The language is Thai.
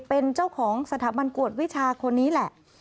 เป็นเจ้าของสถาบันกวดวิชาคนนี้แหละ